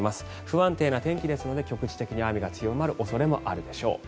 不安定な天気ですので局地的に雨が強まる恐れもあるでしょう。